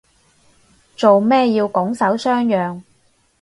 做咩要拱手相讓